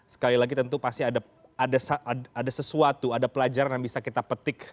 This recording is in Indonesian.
sekali lagi tentu pasti ada sesuatu ada pelajaran yang bisa kita petik